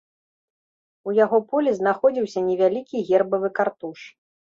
У яго полі знаходзіўся невялікі гербавы картуш.